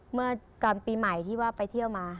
เมื่อตอนปีใหม่ที่ว่าไปเที่ยวมา